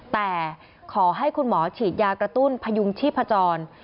แต่ขอให้คุณหมอฉีดยากระตุ้นพยุงชีพจร